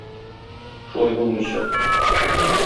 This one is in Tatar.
Шулай булмыйча!